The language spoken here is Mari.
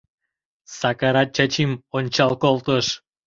Сакарат Чачим ончал колтыш.